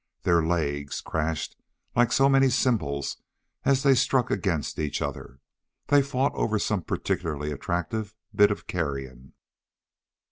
Their legs crashed like so many cymbals as they struck against each other. They fought over some particularly attractive bit of carrion.